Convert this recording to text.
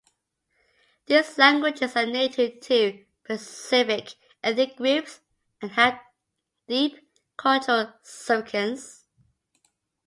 These languages are native to specific ethnic groups and have deep cultural significance.